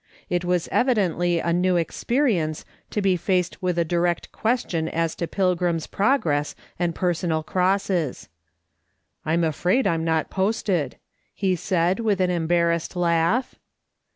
It was evidently a new experience to be faced with a direct question as to Pilgrim's Progress and personal crosses. " I'm afraid I'm not posted/' he said, with an em barrassed laugh.